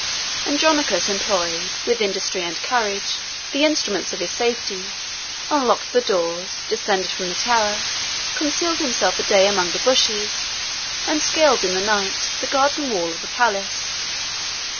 Andronicus employed, with industry and courage, the instruments of his safety, unlocked the doors, descended from the tower, concealed himself all day among the bushes, and scaled in the night the garden wall of the palace.